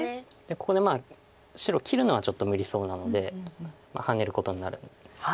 ここで白切るのはちょっと無理そうなのでハネることになる。